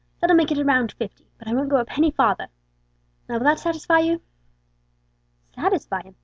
That'll make it a round fifty; but I won't go a penny farther. Now will that satisfy you?" Satisfy him?